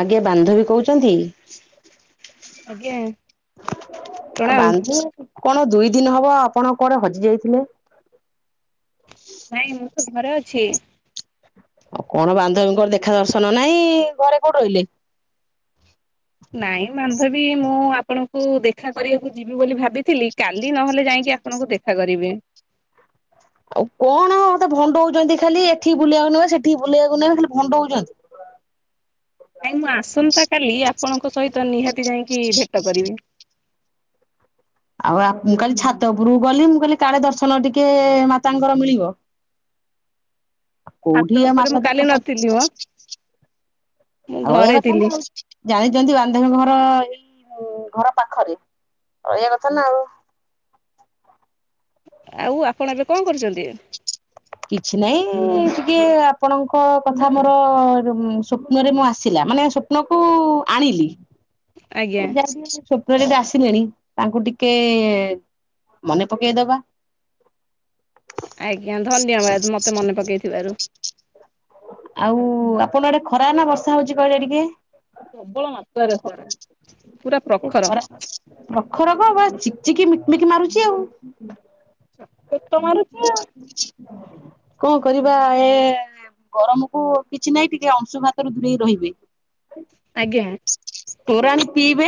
ଆଜ୍ଞା। ବାନ୍ଧବୀ କହୁଚନ୍ତି? ଆଜ୍ଞା। ଆଉ ପ୍ରଣାମ। ବାନ୍ଧବୀ କଣ ଦୁଇ ଦିନ ହବ ଆପଣ କୁଆଡେ ହଜି ଯାଇଥିଲେ? ନାଇଁ ମୁଁ ତ ଘରେ ଅଛି ଆଉ କଣ ବାନ୍ଧବୀଙ୍କର ଦେଖା ଦର୍ଶନ ନାହିଁ ଘରେ କୋଉଠି ରହିଲେ। ନାଇଁ ବାନ୍ଧବୀ ମୁଁ ଆପଣଙ୍କୁ ଦେଖା କରିବାକୁ ଯିବି ବୋଲି ଭାବିଥିଲି, କାଲି ନହେଲେ ଯାଇଁ କି ଆପଣଙ୍କୁ ଦେଖା କରିବି। ଆଉ କଣ ମତେ ଭଣ୍ଡଉଚନ୍ତି ଖାଲି ଏଠି ବୁଲେଇବାକୁ ନେବେ ସେଠିକି ବୁଲେଇବାକୁ ନେବେ ଖାଲି ଭଣ୍ଡଉଚନ୍ତି? [inaudible] ନାଇଁ ମୁଁ ଆସନ୍ତା କାଲି ଆପଣଙ୍କ ସହିତ ନିହାତି ଯାଇଁକି ଭେଟ କରିବି। [inaudible] ଆଉ ମୁଁ କାଲି ଛାତଉପୁରୁକୁ ଗଲି ମୁଁ କହିଲି କାଳେ ଦର୍ଶନ ଟିକେ ମାତାଙ୍କର ମିଳିବ [inaudible] ଛାତ କଉଠି ଆ ଉପରେ ମୁଁ କାଲି ମାସାଦପ ନଥିଲି ମ କରୁଚି। ମୁଁ ଆଉ ଘରେ ଏରା କଣ ଥିଲି। ନା ଜାଣିଛନ୍ତି ବାନ୍ଧବୀ ଘର ଏଇ। ଆଉ ଘର ପାଖରେ କହିବା କଥା ନା ଆଉ। ଆଉ ଆପଣ ଏବେ କଣ କରୁଛନ୍ତି? କିଛି ନାଇଁ ଟିକେ ଆପଣଙ୍କ କଥା ମୋର ଉଁ ସ୍ୱପ୍ନରେ ମୁଁ ଆସିଲା। ମାନେ ସ୍ୱପ୍ନ କୁ ଆଣିଲି ଆଜ୍ଞା ଯାଏ ଟିକେ ସ୍ୱପ୍ନରେ ବି ଆସିଲେଣି। ତାଙ୍କୁ ଟିକେ ମନେ ପକେଇଦବା। ଆଜ୍ଞା ଧନ୍ୟବାଦ ମତେ ମନେ ପକେଇଥିବାରୁ। ଆଉ ଆପଣ ଆଡେ ଖରା ନା ବର୍ଷା ହଉଛି କହିଲେ ଟିକେ? ପ୍ରବଳ ମାତ୍ରାରେ ଖରା। ପୁରା ଏ ପ୍ରଖର ଖରା ପ୍ରଖରକ ବା ଚିକ ଚିକି ମିକ ମିକି ମାରୁଛି ଆଉ। ଚକ୍ ଚକ୍ ତ ମାରୁଚି ଆଉ। କଣ କରିବା ଏ। ଗରମକୁୁ କିଛି ନାହିଁ ଟିକେ ଅଂଶୁଘାତରୁ ଦୂରେଇ ରହିବେ। ଆଜ୍ଞା। ତୋରାଣି ପିଇବେ।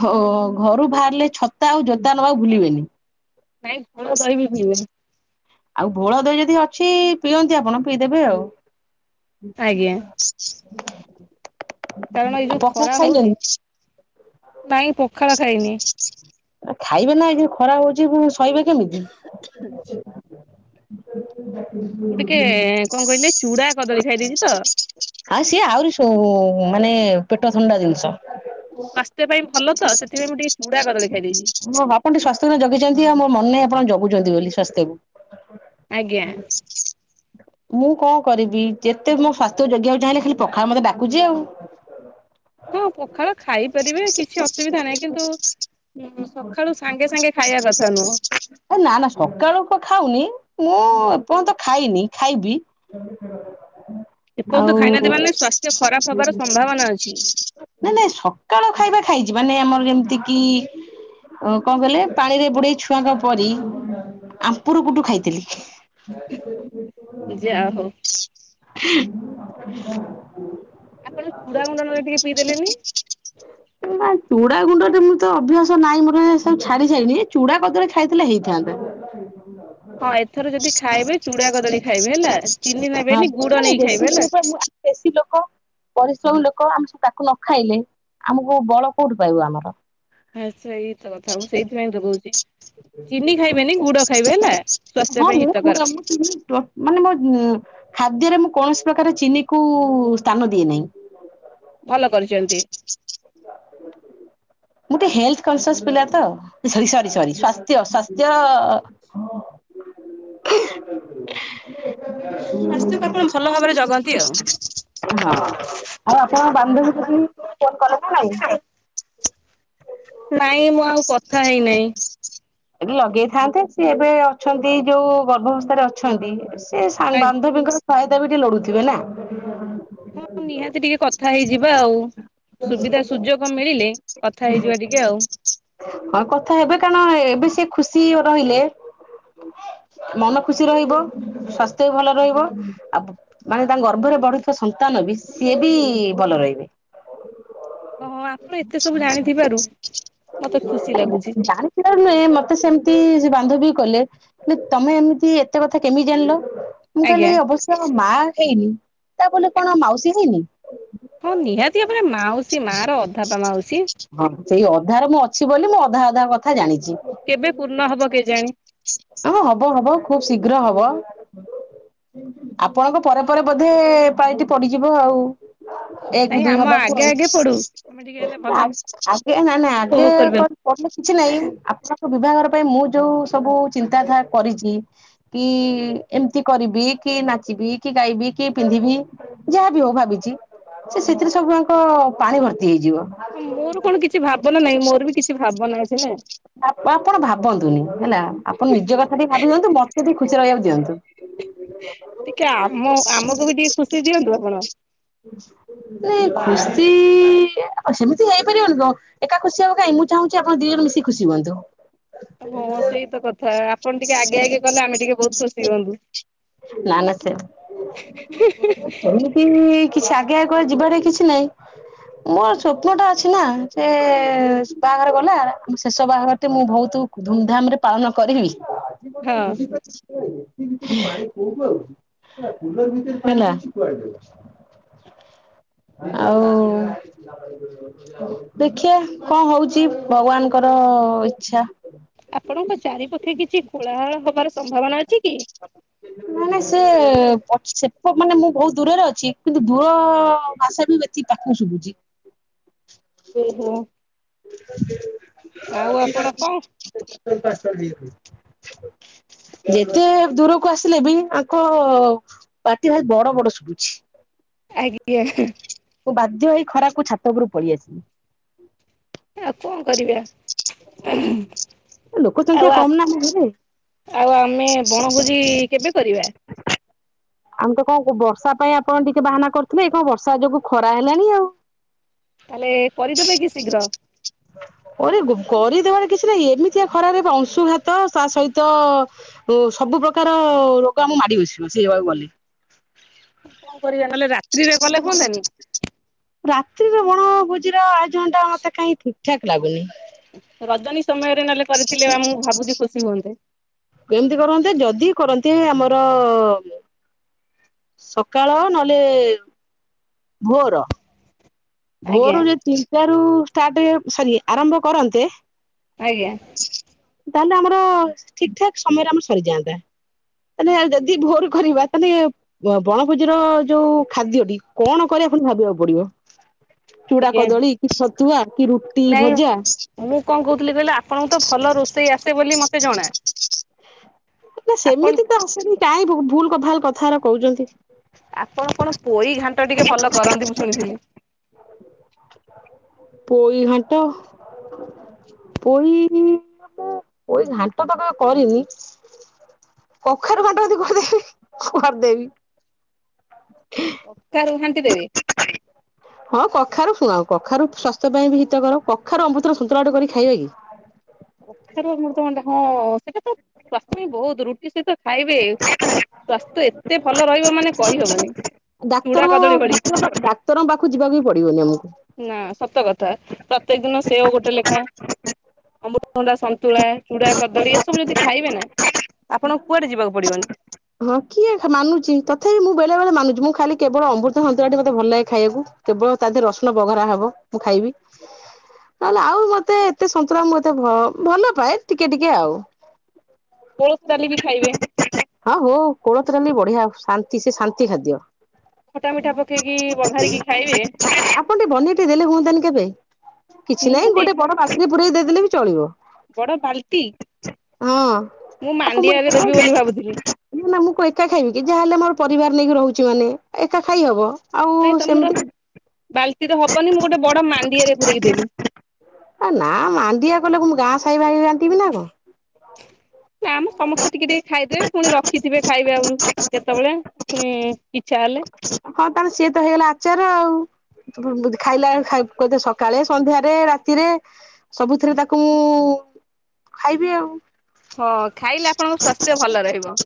ଘ-ଘରୁ ବାହାରିଲେ ଛତା ଆଉ ଜୋତା ନବାକୁ ଭୁଲିବେନି। ନାଇଁ ଘୋଳ ଦହି ବି ପିଇବେ। ଆଉ ଭୋଳ ଦହି ଯଦି ଅଛି ପିଅନ୍ତି ଆପଣ ପିଇଦେବେ ଆଉ। ଆଜ୍ଞା ହ କାରଣ ଏଇ ଯୋଉ ଖରା ହଉଛି ନାଇ ପଖାଳ ଖାଇନି। ଖାଇବେ ନା ଏଇ ଯୋଉ ଖରା ହଉଛି ପୁଣି ସହିବେ କେମିତି? ହ ମୁଁ ଟିକେ କଣ କହିଲେ ଚୁଡା କଦଳୀ ଖାଇ ଦେଇଛି ତ ଆଉ ସିଏ ଆହୁରି ସଉ ମାନେ ପେଟ ଥଣ୍ଡା ଜିନିଷ। ସାସ୍ଥ୍ୟ ପାଇଁ ଭଲ ତ ସେ ହଁ ଆପଣ ଟିକେ ସ୍ଵାସ୍ଥ୍ୟ କୁ ନା ଜଗିଛନ୍ତି ଆଉ ମୋ ମନେ ନାହିଁ ଆପଣ ଜ ଗୁଛନ୍ତି ବୋଲି ଆଜ୍ଞା ସ୍ୱାସ୍ଥ୍ୟକୁ। ମୁଁ କଣ କରିବି ଯେତେ ମୋ ସ୍ଵାସ୍ଥ୍ୟକୁ ଜଗିବାକୁ ଚାହିଁଲେ ଖାଲି ପଖାଳ ମତେ ଡାକୁଛି ଆଉ। ହଁ ପଖାଳ ଖାଇ ପାରିବେ କିଛି ଅସୁବିଧା ନାହିଁ କିନ୍ତୁ ଉଁ ସକାଳୁ ସାଙ୍ଗେ ସାଙ୍ଗେ ଖାଇବା କଥା ନୁହଁ। କଣ ଖା ମୁଁ ଏପର୍ଯ୍ୟନ୍ତ ତ ଖାଇନି ଖାଇବି। ହ ଆଉ ନାଇ ସମ୍ଭାବନା ଅଛି। ନାଇ ସକାଳ ଖାଇବା ଖାଇଛି ମାନେ ଆମର ଯେମିତି କି ଅ କଣ କହିଲେ ପାଣିରେ ବୁଡେଇ ଛୁଆଙ୍କ ପରି। ଆମ୍ପୁରୁ ଗୁଡୁ ଖାଇଥିଲି। [inaudible] ଯା ହଉ ଆପଣ ଚୁଡା ଗୁଣ୍ଡ ନହେଲେ ଟିକେ ପିଇଦେଲେନି। ନା ଚୁଡ଼ା ଗୁଣ୍ଡରେ ମୁଁ ତ ଅଭ୍ୟାସ ନାହିଁ ମୋର ଏ ସବୁ ଛାଡି ସାଇଲି ଚୁଡା କଦଳି ଖାଇଥିଲେ ହେଇଥାନ୍ତା। ହଁ ଏଥର ଯଦି ଖାଇବେ ଚୁଡା କଦଳୀ ଖାଇବେ ହେଲା ଚିନି ନେବେନି ଗୁଡ ନେଇ ଖାଇବେ ହେଲା। ବେଶୀ ଲୋକ ପରିଶ୍ରମ ଲୋ କ ଆମେ ସବୁ ତାକୁ ନ ଖାଇଲେ ଆମକୁ ବଳ କୋଉଠୁ ପାଇବ ଆମର? ଆଁ ସେଇତ କଥା ମୁଁ ସେଇଥିପାଇଁ ତ କହୁଛି। ଚିନି ଖାଇବେନି ଗୁଡ ଖାଇବେ ହେଲା ସ୍ୱାସ୍ଥ୍ୟ ହଁ ପାଇଁ ମୁଁ ହିତକାର ପୁରା ମୁଁ ଚିନି ଡ଼ ମାନେ ମୋ ଉଁ। ଖାଦ୍ୟରେ ମୁଁ କୌଣସି ପ୍ରକାର ଚିନି କୁ ସ୍ଥାନ ଦିଏ ନାହିଁ। ଭଲ କରିଛନ୍ତି। ମୁଁ ଟିକେ ହେଲଥ କନ୍ସେସ୍ ପିଲା ତ ସରି ସରି ସରି। ସ୍ୱାସ୍ଥ୍ୟ ସ୍ୱାସ୍ଥ୍ୟ। ଭଲ ଭାବରେ ଜଗନ୍ତି ଆଉ। [inaudible] ହଁ ଆଉ ଆପଣ ବାନ୍ଧବୀ କତିକି ଫୋନ୍ କଲେ ନା ନାଇଁ? ନାଇଁ ମୁଁ ଆଉ କଥା ହେଇନାହିଁ। ସେ ଏବେ ଅଛନ୍ତି ଯୋଉ ଗର୍ଭାବସ୍ଥାରେ ଅଛନ୍ତି। ସେ ସା ଆ ବାନ୍ଧବୀଙ୍କର ଫାଇଦା ବି ଟିକେ ଲଡୁଥିବେ ନା। ହଁ ନିହାତି ଟିକେ କଥା ହେଇଯିବା ଆଉ। ସୁବିଧା ସୁଯୋଗ ମିଳିଲେ କ ହଁ କଥା ହେବେ କାଣ ଏ ସେ ଖୁସି ଅ ରହିଲେ ମନ ଖୁସି ରହିବ। ସ୍ୱାସ୍ଥ୍ୟ ବି ଭଲ ରହିବ। ଆଉ ମାନେ ତାଙ୍କ ଗର୍ଭରେ ବଢୁଥିବା ସନ୍ତାନ ଅବି ସିଏ ବି ଭଲ ରହିବେ। ହଁ ଆପଣ ଏତେ ସବୁ ଜାଣିଥି ଜାଣିଥିବା ନୁହେଁ ମତେ ସେମତି ଯିବା ବାନ୍ଧ ବି କଲେ ଲେ ତମେ ଏମିତି ଏତେ କଥା କେମି ଜାଣିଲ? ମୁଁ ଆଜ୍ଞା। କହିଲି ଅବଶ୍ୟ ମାଁ ହେଇନି, ତା ବଲି କଣ ମାଉସୀ ହେଇନି? ହଁ ନିହାତି ଭାବରେ ମାଉସୀ ମା ର ଅଧାପା ମାଉସୀ ହଁ ସେଇ ଅଧାରେ ମୁଁ ଅଛି ବୋଲି ମୁଁ ଅଧା ଅଧା କଥା ଜାଣିଛି। କେବେ ପୂର୍ଣ୍ଣ ହବ କେଜାଣି ହଁ ହବ ହବ ଖୁବ ଶୀଘ୍ର ହବ। ଆପଣଙ୍କ ପରେ ପରେ ବୋଧେ ପାଳିଟି ପଡିଯିବ ଆଉ। ଏକ ରୁ ନାଇଁ ଦୁଇ ଆମ ହବା ଆ ଆଗେ ଆଗେ ପଡୁ ଆମେ ଟିକେ ହେଲେ ଭଲ ଆଗେ ନା ନା ଆଗେ ଉପଭୋଗ କରିବା। କଲେ କିଛି ନାହିଁ ଆପଣ ବିଭାଗର ପାଇଁ ମୁଁ ଯୋଉ ସବୁ ଚିନ୍ତାଧାର କରିଛି କି ଏମିତି କରିବି କି ନାଚିବି କି ଗାଇବି କି ପିନ୍ଧିବି ଯାହାବି ହଉ ଭାବିଛି ସେ ସେଥିରେ ସବୁଆ ତ ପାଣି ଭର୍ତ୍ତି ହେଇଯିବ। ଅ ମୋର କଣ କିଛି ଭାବନା ନାହିଁ ମୋର ବି କିଛି ଭାବନା ଅଛିନା। ଆପ ଆପଣ ଭାବନ୍ତୁନି ହେଲା ଆପଣ ନିଜ କଥା ଟିକ ଭାବି ଦିଅନ୍ତୁ। ମୋତେ ବି ଖୁସି ରହିବାକୁ ଦିଅନ୍ତୁ। ଟିକେ ଆମ ଆମକୁ ବି ଟିକେ ଖୁସି ଦିଅନ୍ତୁ ଆପଣ। ଲେ ଖୁସି ଏ ଆଉ ସେମିତି ହେଇପାରିବନି କଣ ଏକା ଖୁସି ହବ କାଇଁ ମୁଁ ଚାହୁଁଛି ଆପଣ ଦି ଜଣ ମିଶି ଖୁସି ହୁଅନ୍ତୁ। ହଁ ସେଇତ କଥା। ଆପଣ ଟିକେ ଆଗେ ଆଗେ କଲେ ଆମେ ଟିକେ ବହୁତ୍ ଖୁସି ହୁଅନ୍ତୁ। ନା ନା ସେ ଏମିତି କିଛି ଆଗେ ଆକୁଆ ଯିବାର କିଛି ନାହିଁ। ମୋର ସ୍ବପ୍ନ ଟା ଅଛି ନା ସେ ବାହାଘର ଗଲା ଶେଷ ବାହାଘର ଟି ମୁଁ ବହୁତ୍ ତୁ ଧୁମ୍ ଧାମ୍ ରେ ପାଳନ କରିବି। ହଁ [unintelligible] ହେଲା। ଆଉ ଦେଖିଆ କଣ ହଉଛି ଭଗବାନଙ୍କର? ଓ ଇଚ୍ଛା। ଆପଣଙ୍କ ଚାରିପକ୍ଷେ କିଛି କୋଳାହଳ ହବାର ସମ୍ଭାବନା ଅଛି କି? ମାନେ ସେ ପଛ ସେପ ମାନେ ମୁଁ ବହୁତ ଦୂରରେ ଅଛି କିନ୍ତୁ ଦୂର ଭାଷା ବି ବ୍ୟଥି ପାଖୁ ଶୁଭୁଛି। ଓହୋ। [inaudible] ଆଉ ଆପଣ କଣ ଯେତେ ଦୂରକୁ ଆସିଲେ ବି ଆଙ୍କ ପାଟି ଭାରି ବଡ ବଡ ଶୁଭୁଛି। ଆଜ୍ଞା ମୁଁ ବାଧ୍ୟ ହେଇ ଖରାକୁ ଛାତ ଉପରୁ ପଳି ଆସିଲି। ଆଉ କଣ କରିବା ଲୋକ ସଂଖ୍ୟା ଆଉ କମ ନା ଆମ ଘରେ। ଆଉ ଆମେ ବଣଭୋଜି କେବେ କରିବା। ଆମେ ତ କଣ ବର୍ଷା ପାଇଁ ଆପଣ ଟିକେ ବାହାନା କରୁଥିଲେ ଏ କଣ ବର୍ଷା ଯୋଗୁ ଖରା ହେଲାଣି ଆଉ। ତାହେଲେ କରିଦବେ କି ଶୀଘ୍ର। ଓରେ କରିଦେବାର କିଛି ନାହିଁ ଏମିତିଆ ଖରାରେ ଅଂଶୁଘାତ ତା ସହିତ ଅ ସବୁ ପ୍ରକାର ର [unintelligible] ମାଡି ବସିବ ସେ ହେବାକୁ ଗଲେ। କଣ କରିବା ନହେଲେ ରାତ୍ରିରେ କଲେ ହୁଅନ୍ତାନି। ରାତିର ବଣ ଭୋଜିର ଆୟୋଜନଟା ମତେ କାଇଁ ଠିକ ଠାକ ଲାଗୁନି। ରଜନୀ ସମୟରେ ନହେଲେ କରିଥିଲେ ଆମକୁ ଭାବୁଛି ଖୁସି ହୁଅନ୍ତେ। କେମିତି କରନ୍ତେ, ଯଦି କରନ୍ତି ଆମର ସକାଳ ନହେଲେ ଭୋର। ଆଜ୍ଞା ଭୋରରୁ ଯଦି ତିନିଟା ରୁ ଷ୍ଟାର୍ଟ ସରି ଆରମ୍ଭ କରନ୍ତେ ଆଜ୍ଞା। ତାହେଲେ ଆମର ଠିକ ଠାକ୍ ସମୟରେ ଆମର ସରିଯାଆନ୍ତା। ତାହେଲେ ଯଦି ଭୋରୁ କରିବା, ତାହେଲେ ବଣଭୋଜିର ଯୋଉ ଖାଦ୍ୟଟି କଣ କରିବା? ଭାବିବାକୁ ପଡିବ ଚୂଡା ଆଜ୍ଞା କଦଳୀ କି, ଛତୁଆ କି, ରୁଟି ନାଇଁ ଭଜା। ମୁଁ କଣ କହୁଥିଲି କହିଲେ ଆପଣଙ୍କୁ ତ ଭଲ ରୋଷେଇ ଆସେ ବୋଲି ମତେ ଜଣା। ନା ଆପଣ ସେମିତି ତ ଆସେନି କାହିଁ ଭୁଲ ଭାଲ କଥା ଗୁରା କହୁଛନ୍ତି। ଆପଣ କଣ ପୋଇ ଘାଣ୍ଟ ଟିକେ ଭଲ କରନ୍ତି ମୁଁ ଶୁଣିଥିଲି। ପୋଇ ଘାଣ୍ଟ। ପୋଇ ମୁଁ ପୋଇ ଘାଣ୍ଟ ତ କେବେ କରିନି? କଖାରୁ ଘାଣ୍ଟ ଯଦି କହିଦେବି କରିଦେବି। କଖାରୁ ଘା ହଁ କଖାରୁ ଶୁଣ କଖାରୁ ସ୍ୱାସ୍ଥ୍ୟ ପାଇଁ ବି ହିତକର କଖାରୁ ଅମୃତର ସୁନ୍ତଳା ଗୋଟେ କରି ଖାଇବେ କି? କଖାରୁ ଅମୃତଭଣ୍ଡା ହଁ ସେଇଟା ତ, ସ୍ୱାସ୍ଥ୍ୟ ପାଇଁ ବହୁତ ରୁଟି ସହ ସହିତ ଖାଇବେ ସ୍ୱାସ୍ଥ୍ୟ ଏତେ ଭଲ ରହିବ ମାନେ କହିହବନି। ଚୁଡା ଡାକ୍ତରଙ୍କ କଦଳୀ ଭଳି ପାଖ ଡାକ୍ତରଙ୍କ ପାଖକୁ ଯିବାକୁ ବି ପଡିବନି ଆମକୁ। ନା ସତ କଥା ପ୍ରତ୍ୟେକ ଦିନ ସେଓ ଗୋଟେ ଲେଖାଏଁ, ଅମୃତ ଭଣ୍ଡା ସନ୍ତୁଳା, ଚୁଡା କଦଳୀ ଏସବୁ ଯଦି ଖାଇବେ ନା ଆପଣଙ୍କୁ କୁଆଡେ ଯିବାକୁ ପଡିବନି। ହଁ କିଏ ମାନୁଛି ତଥାପି ମୁଁ ବେଳେ ବେଳେ ମାନୁଛି, ମୁଁ ଖାଲି କେବଳ ଅମୃତ ସନ୍ତୁଳାଟି ମତେ ଭଲ ଲାଗେ ଖାଇବାକୁ। କେବଳ ତା ଦେହରେ ରସୁଣ ବଘରା ହବ ମୁଁ ଖାଇବି। ନହେଲେ ଆଉ ମତେ ଏତେ ସନ୍ତୁଳା ମୁଁ ଏତେ ଭଲପାଏ ଟିକେ ଟିକେ ଆଉ। କୋଳଥ ଡାଲି ବି ଖାଇବେ। ହଁ ହଉ କୋଳଥ ଡାଲି ବି ବଢିଆ ଶାନ୍ତି ସେ ଶାନ୍ତି ଖାଦ୍ୟ। ଖଟା ମିଠା ପକେଇକି ବଘାରିକି ଖାଇବେ। ଆପଣ ଟିକେ ବନେଇତେ ଦେଲେ ହୁଅନ୍ତାନି କେବେ? କିଛି ନାହିଁ ନିହାତି ଗୋଟେ ବଡ ବାକ୍ସରେ ପୁରେଇ ଦେଇଦେଲେ ବି ଚଳିବ। ବଡ ବାଲଟି ହଁ। ମୁଁ ଆକୁ ମାଣ୍ଡିଆରେ ଏକା ଦେବି ଖାଇବି ବୋଲି ଭାବୁଥିଲି। ନା ନା ମୁଁ କଣ ଏକା ଖାଇବି କି, ଯାହାହେଲେ ମୋର ପରିବାର ନେଇକି ରହୁଛି ମାନେ ଏକା ଖାଇହବ। ନାଇଁ ତମର ବାଲ ଟି ତ ହବନି ମୁଁ ଗୋଟେ ବଡ ମାଣ୍ଡିଆରେ ପୁରେଇକି ଦେବି। ନା ମାଣ୍ଡିଆ ଗାଁ ସାାଇ ଭାଇଙ୍କୁ ବାଣ୍ଟିବି ନା କଣ? ନା ଆମେ ସମସ୍ତେ ଟିକେ ଟିକେ ଖାଇଦେବେ, ପୁଣି ରଖିଥିବେ ଖାଇବେ ବେଳକୁ କେତେବେଳେ ପୁଣି ଇଚ୍ଛା କଲେ। ହଁ ତାହେଲେ ସିଏ ତ ହେଇଗଲା ଆଚାର ଆଉ ଖାଇଲା ବ ସକାଳେ ସନ୍ଧ୍ୟାରେ ରାତିରେ ସବୁଥିରେ ତାକୁ ମୁଁ ଖାଇବି ଆଉ। ହଁ ଖାଇଲେ ଆପଣଙ୍କ ସ୍ୱାସ୍ଥ୍ୟ ଭଲ ରହିବ।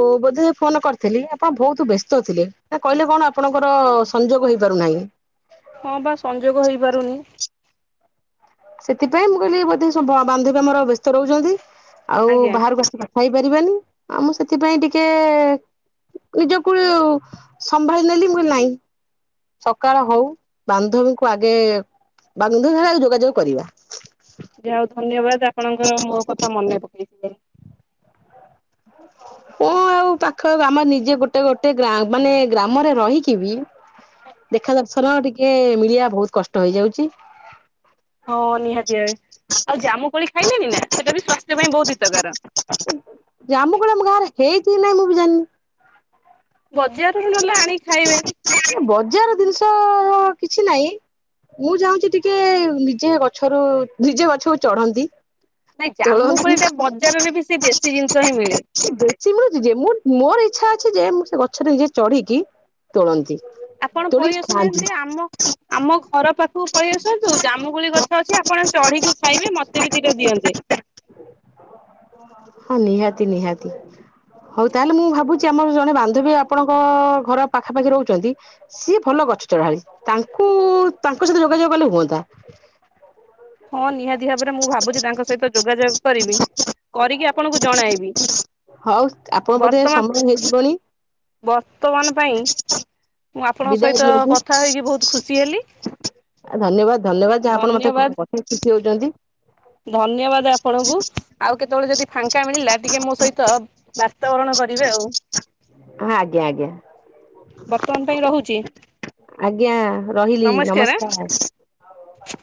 ଓ ବୋଧେ ଫୋନ କରିଥିଲି, ଆପଣ ବହୁତ ବ୍ୟସ୍ତ ଥିଲେ ନା କହିଲେ କଣ ଆପଣଙ୍କର ସଂଯୋଗ ହେଇପାର ନାହିଁ। ହଁ ବା ସଂଯୋଗ ହେଇପାରୁନି। ସେଥିପାଇଁ ମୁଁ କହିଲି ବୋଧେ ବାନ୍ଧବୀ ଆମର ବ୍ୟସ୍ତ ରହୁଛନ୍ତି। ଆଉ ଆଜ୍ଞା ବାହାରକୁ ଆସିି କଥା ହେଇପାରିବାନି, ଆଉ ମୁଁ ସେଥିପାଇଁ ଟିକେ ନିଜକୁ ସମ୍ଭାଳି ନେଲି ମୁଁ କହିଲି ନାଇଁ ସକାଳ ହଉ ବାନ୍ଧବୀଙ୍କୁ ଆଗେ ବାନ୍ଧବୀ ଯୋଗାଯୋଗ କରିବା। ଯାହଉ ଧନ୍ୟବାଦ ଆପଣଙ୍କର ମୋ କଥା ମନେ ପକେଇଥିଲେ। କଣ ଆଉ, ପାଖ ଆମର ନିଜେ ଗୋଟେ ଗୋଟେ ଗାଁ ମାନେ ଗ୍ରାମରେ ରହିକି ବି ଦେଖା ଦର୍ଶନ ଟିକେ ମିଳିବା ବହୁତ କଷ୍ଟ ହେଇଯାଉଛି। ହଁ ନିହାତି ଭାବେ। ଆଉ ଜାମୁ କୋଳି ଖାଇଲେନି ନା ସେଟା ବି ସ୍ୱାସ୍ଥ୍ୟ ପାଇଁ ବହୁତ ହିତକାର। ଜାମୁ କୋଳି ଆମ ଗାଁ ରେ ହେଇଚି କି ନାଇଁ ମୁଁ ବି ଜାଣିନି। ବଜାରରୁ ନହେଲେ ଆଣିକି ଖାଇବେ। ବଜାର ଜିନିଷ କିଛି ନାହିଁ। ମୁଁ ଚାହୁଁଚି ଟିକେ ନିଜେ ଗଛରୁ ନିଜେ ଗଛକୁ ଚଢନ୍ତି। ନାଇଁ ଜାମୁ ତୋଳନ୍ତି କୋଳିଟା ବଜାରରେ ବି ସେ ଦେଶୀ ଜିନିଷ ହିଁ ମିଳେ। ଦେଶୀ ମିଳୁଛି ଯେ, ମୋର ଇଚ୍ଛା ଅଛି ଯେ ମୁଁ ସେ ଗଛରେ ନିଜେ ଚଢିକି ତୋଳନ୍ତି। ଆପଣ ପଳେଇ ତୋଳିକି ଖାଆନ୍ତି ଆସୁନାହାନ୍ତି ଆମ ଆମ ଘର ପାଖକୁ ପଳେଇ ଆସନ୍ତୁ। ଜାମୁକୋଳି ଗଛ ଅଛି ଆପଣ ଚଢିକି ଖାଇବେ ମତେ ବି ଦି ଟା ଦିଅନ୍ତେ। [inaudible] ହଁ ନିହାତି ନିହାତି। ହଉ ତାହେଲେ ମୁଁ ଭାବୁଛି ଆମର ଜଣେ ବାନ୍ଧବୀ ଆପଣଙ୍କ ଘର ପାଖାପାଖି ରହୁଛନ୍ତି। ସିଏ ଭଲ ଗଛ ଚଢଳିତାଙ୍କୁ ତାଙ୍କ ସହି ତ ଗଲେ ହୁଅନ୍ତା। ହଁ ନିହାତି ଭାବରେ ମୁଁ ଭାବୁଛି ତାଙ୍କ ସହିତ ଯୋଗାଯୋଗ କରିବି। କରିକି ଆପଣଙ୍କୁ ଜଣାଇବି। ହଉ ଆପଣ ବୋଧେ ବର୍ତ୍ତମାନ ସମୟ ହେଇଯିବଣି ବର୍ତ୍ତମାନ ପାଇଁ ମୁଁ ଆପଣଙ୍କ ବିଦାୟ ସହିତ ଦିଅନ୍ତୁ କଥା ହେଇକି ବହୁତ ଖୁସି ହେଲି। ଧନ୍ୟବାଦ ଧନ୍ୟବାଦ ଯାହା ଆପଣ ମତେ ଧନ୍ୟବାଦ କଥା ଖୁସି ହଉଛନ୍ତି। ଧନ୍ୟବାଦ ଆପଣଙ୍କୁ ଆଉ କେତେବେଳେ ଯଦି ଫାଙ୍କା ମିଳିଲା ଟିକେ ମୋ ସହିତ ବାତାବରଣ କରିବେ। [unintelligible] ହଁ ଆଜ୍ଞା ଆଜ୍ଞା। ବର୍ତ୍ତମାନ ପାଇଁ ରହୁଛି। ଆଜ୍ଞା ରହିଲି ନମସ୍କାର ଆଁ। [inaudible]